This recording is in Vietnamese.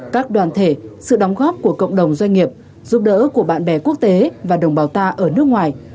các đoàn thể sự đóng góp của cộng đồng doanh nghiệp giúp đỡ của bạn bè quốc tế và đồng bào ta ở nước ngoài